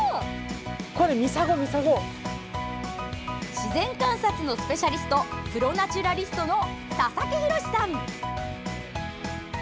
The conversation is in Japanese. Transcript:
自然観察のスペシャリストプロ・ナチュラリストの佐々木洋さん。